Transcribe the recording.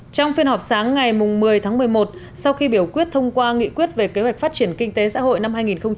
trong phiên họp sáng ngày một mươi tháng một mươi một sau khi biểu quyết thông qua nghị quyết về kế hoạch phát triển kinh tế xã hội năm hai nghìn hai mươi